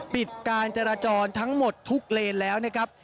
ปิดการจราจรทั้งหมดทุกเลนแล้วนะครับ